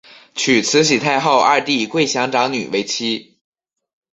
娶慈禧太后二弟桂祥长女为妻。